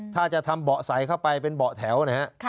ถ้าจะทำเบาะใส่เข้าไปเป็นเบาะแถวนะฮะ